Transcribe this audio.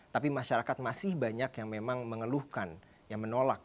tapi masyarakat masih banyak yang memang mengeluhkan yang menolak